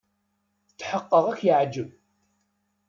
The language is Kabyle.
Tḥeqqeɣ ad ak-yeɛjeb.